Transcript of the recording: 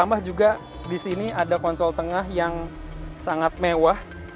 tambah juga di sini ada konsol tengah yang sangat mewah